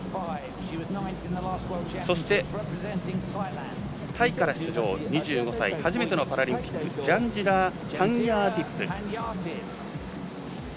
そして、タイから出場２５歳、初めてのパラリンピックジャンジラー・パンヤーティップ。